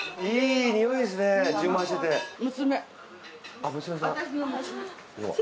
あっ娘さん。